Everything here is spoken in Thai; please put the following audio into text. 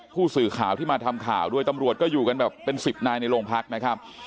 ผู้สื่อข่าวที่มาทำข่าวด้วยตำรวจก็อยู่กันแบบเป็นสิบนายในโรงพักนะครับ